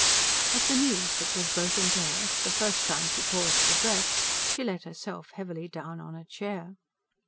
At the news that was broken to her, the first time she paused for breath, she let herself heavily down on a chair.